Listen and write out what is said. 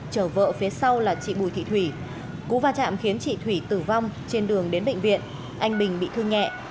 chở vợ phía sau là chị bùi thị thủy cú va chạm khiến chị thủy tử vong trên đường đến bệnh viện anh bình bị thương nhẹ